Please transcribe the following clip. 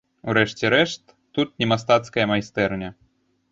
У рэшце рэшт, тут не мастацкая майстэрня!